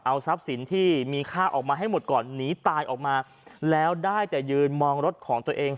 เอาทรัพย์สินที่มีค่าออกมาให้หมดก่อนหนีตายออกมาแล้วได้แต่ยืนมองรถของตัวเอง